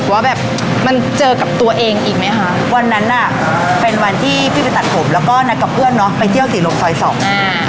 วันนั้นอ่ะเป็นวันที่พี่ไปตัดผมแล้วก็นักกับเพื่อนเนอะไปเที่ยวสี่รกซอยสองอ่า